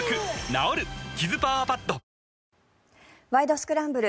スクランブル」